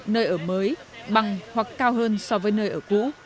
nơi ở mới bằng hoặc cao hơn so với nơi ở cũ